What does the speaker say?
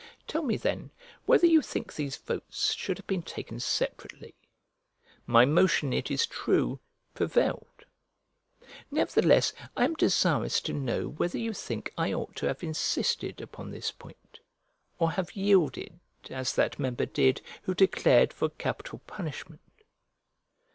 Tell me then whether you think these votes should have been taken separately? My motion, it is true, prevailed; nevertheless I am desirous to know whether you think I ought to have insisted upon this point, or have yielded as that member did who declared for capital punishment?